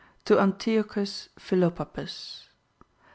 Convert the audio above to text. To Antiochus Philopappus.